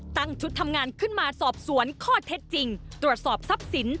ตั้งชุดทำงานขึ้นมาสอบสวนข้อเท็จจริงตรวจสอบทรัพย์สิน